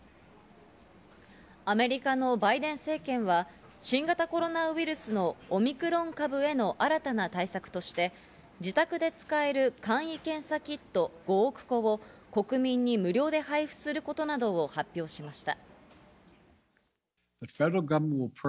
アメリカのバイデン政権は新型コロナウイルスのオミクロン株への新たな対策として自宅で使える簡易検査キット５億個を国民に無料で配布することなどを発表しました。